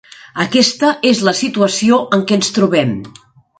Aquesta és la situació en què ens trobem.